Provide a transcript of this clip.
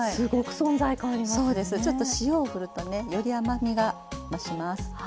ちょっと塩を振るとねより甘みが増します。